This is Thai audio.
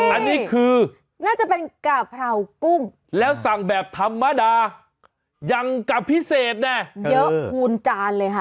อันนี้คือน่าจะเป็นกะเพรากุ้งแล้วสั่งแบบธรรมดายังกะพิเศษแน่เยอะคูณจานเลยค่ะ